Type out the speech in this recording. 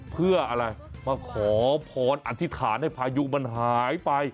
เพื่ออะไรมาขอพรอธิษฐานให้พายุมันหายไป